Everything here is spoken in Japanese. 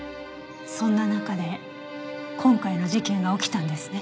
そんな中で今回の事件が起きたんですね。